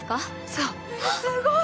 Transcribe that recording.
そうえっすごい！